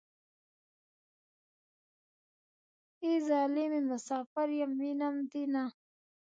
ای ظالمې مسافر يم وينم دې نه.